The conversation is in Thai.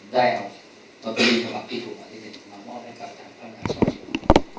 ได้เอาปริธรรมพิถัวมามอบให้กับทางพันธุ์การสอบส่วน